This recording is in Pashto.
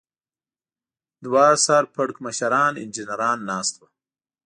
دوه سر پړکمشران انجنیران ناست و.